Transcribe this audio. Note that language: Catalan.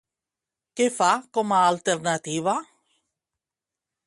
Què fa com a alternativa?